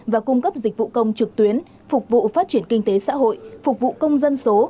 và cung cấp dịch vụ công trực tuyến phục vụ phát triển kinh tế xã hội phục vụ công dân số